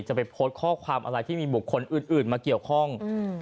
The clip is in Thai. จะไปโพสต์ข้อความอะไรที่มีบุคคลอื่นอื่นมาเกี่ยวข้องอืม